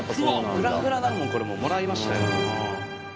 フラフラだもんこれもうもらいましたよ。